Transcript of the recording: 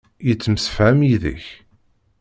Yettemsefham yid-k.